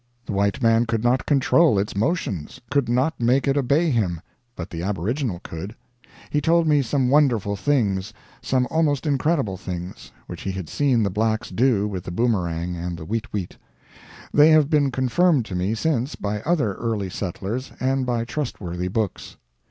The white man could not control its motions, could not make it obey him; but the aboriginal could. He told me some wonderful things some almost incredible things which he had seen the blacks do with the boomerang and the weet weet. They have been confirmed to me since by other early settlers and by trustworthy books.